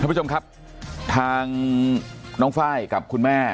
ผู้ชมครับทางน้องไฟล์กับคุณแม่